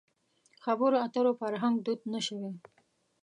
خبرو اترو فرهنګ دود نه شوی.